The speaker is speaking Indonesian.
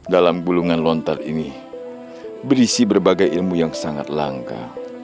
dalam bulungan lontar ini berisi berbagai ilmu yang sangat langka